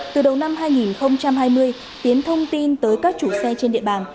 từ đầu năm hai nghìn hai mươi tiến thông tin tới các chủ xe trên địa bàn